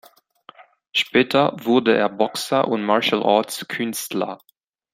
Später wurde er Boxer und „Martial Arts“-Künstler.